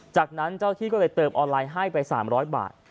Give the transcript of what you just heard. จากนั้นเจ้าที่ก็เลยเติมออนไลน์ให้ไป๓๐๐บาท